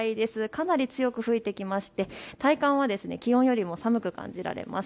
かなり強く吹いてきまして体感は気温よりも寒く感じられます。